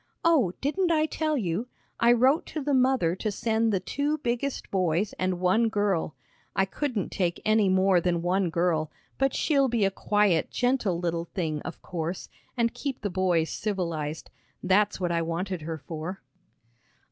"Oh, didn't I tell you? I wrote to the mother to send the two biggest boys and one girl I couldn't take any more than one girl, but she'll be a quiet, gentle little thing, of course, and keep the boys civilized. That's what I wanted her for."